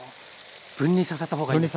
分離させた方がいいんですね。